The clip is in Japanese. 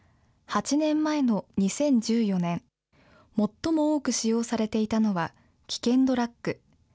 ８年前の２０１４年、最も多く使用されていたのは、危険ドラッグ。